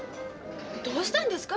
どうしたんですか？